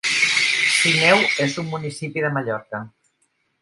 Sineu és un municipi de Mallorca.